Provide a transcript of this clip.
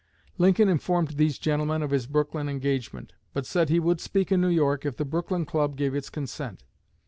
Lincoln informed these gentlemen of his Brooklyn engagement, but said he would speak in New York if the Brooklyn club gave its consent.